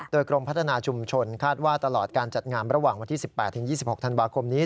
โดยกรมพัฒนาชุมชนคาดว่าตลอดการจัดงานระหว่างวันที่๑๘๒๖ธันวาคมนี้